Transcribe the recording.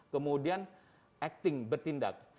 kemudian acting bertindak